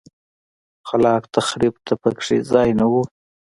خلاق تخریب ته په کې ځای نه و.